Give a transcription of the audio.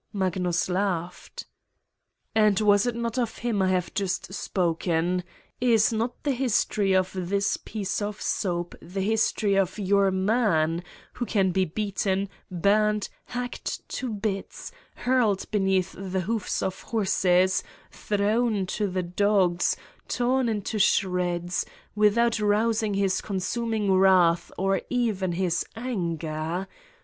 Magnus laughed: " And was it not of him I have just spoken? Is not the history of this piece of soap the history of your man, who can be beaten, burned, hacked to bits, hurled beneath the hoofs of horses, thrown to the dogs, torn into shreds without rousing his consuming wrath or even his anger?